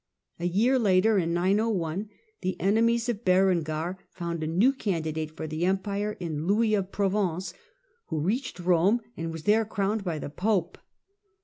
A year later (901) the enemies of Berengar found a new candidate for the Empire in Louis of Provence, who reached Rome and was there crowned by the Pope.